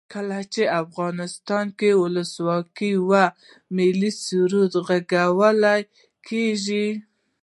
کله چې افغانستان کې ولسواکي وي ملي سرود غږول کیږي.